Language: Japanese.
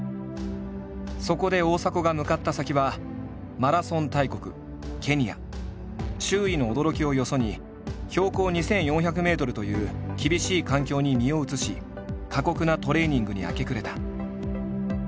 そこで大迫が向かった先は周囲の驚きをよそに標高２，４００ｍという厳しい環境に身を移し過酷なトレーニングに明け暮れた。